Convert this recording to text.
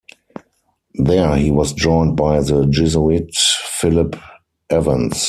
There he was joined by the Jesuit, Philip Evans.